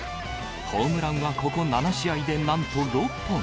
ホームランはここ７試合でなんと６本。